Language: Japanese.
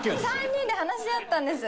３人で話し合ったんです。